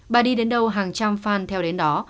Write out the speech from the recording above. bà đi đến đâu hàng trăm fan theo đến đó